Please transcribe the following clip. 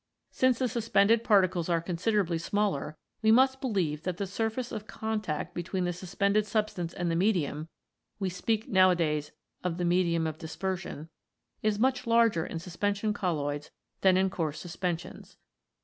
Since the suspended particles are considerably smaller, we must believe that the surface of contact between the suspended substance and the medium (we speak nowadays of the Medium of Dispersion] is much larger in suspension colloids than in coarse suspensions.